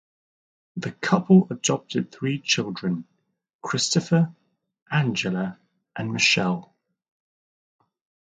The couple adopted three children: Christopher, Angela and Michelle.